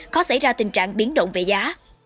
khó xảy ra tình trạng biến động về giá